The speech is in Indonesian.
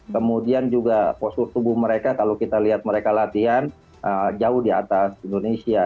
kemudian juga postur tubuh mereka kalau kita lihat mereka latihan jauh di atas indonesia